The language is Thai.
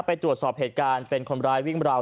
ไปตรวจสอบเหตุการณ์เป็นคนร้ายวิ่งราว